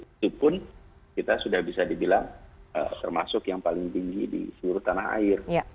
itu pun kita sudah bisa dibilang termasuk yang paling tinggi di seluruh tanah air